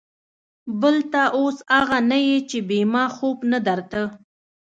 بل ته اوس اغه نه يې چې بې ما خوب نه درته.